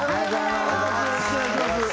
よろしくお願いします